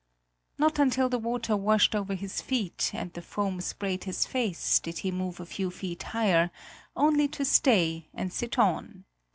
Not until the water washed over his feet and the foam sprayed his face did he move a few feet higher, only to stay and sit on.